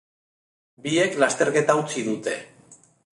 Biek lasterketa utzi dute.